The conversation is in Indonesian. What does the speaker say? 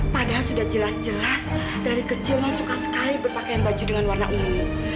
padahal sudah jelas jelas dari kecil memang suka sekali berpakaian baju dengan warna ungu